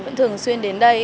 vẫn thường xuyên đến đây